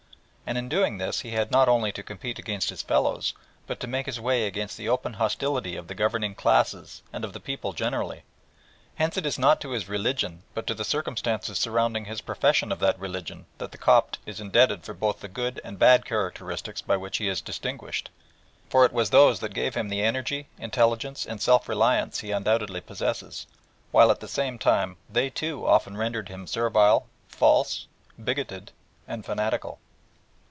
And in doing this he had not only to compete against his fellows, but to make his way against the open hostility of the governing classes and of the people generally. Hence it is not to his religion but to the circumstances surrounding his profession of that religion that the Copt is indebted for both the good and bad characteristics by which he is distinguished, for it was these that gave him the energy, intelligence, and self reliance he undoubtedly possesses, while at the same time they too often rendered him servile, false, bigoted, and fanatical.